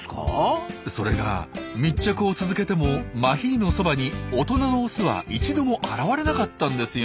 それが密着を続けてもマヒリのそばに大人のオスは一度も現れなかったんですよ。